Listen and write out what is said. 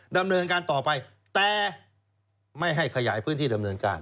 ดำเนินการต่อไปแต่ไม่ให้ขยายพื้นที่ดำเนินการ